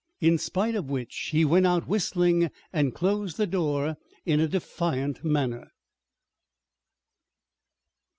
In spite of which he went out whistling, and dosed the door in a defiant manner.